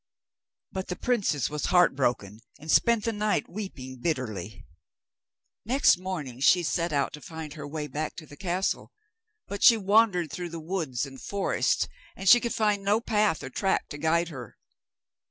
But the princess was heart broken, and spent the night weeping bitterly. Next morning she set out to find her way back to the castle, but she wandered through the woods and forests, and she could find no path or track to guide her.